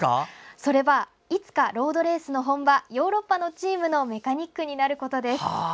それはいつかロードレースの本場ヨーロッパのチームのメカニックになることです。